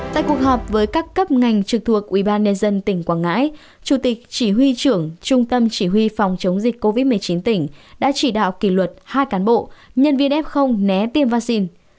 tại cuộc họp với các cấp ngành trực thuộc ubnd tỉnh quảng ngãi chủ tịch chỉ huy trưởng trung tâm chỉ huy phòng chống dịch covid một mươi chín tỉnh đã chỉ đạo kỷ luật hai cán bộ nhân viên f né tiêm vaccine